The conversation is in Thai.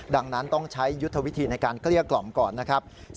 ดังนั้นต้องใช้ยุทธวิธีในการเกลี้ยกล่อมก่อนนะครับ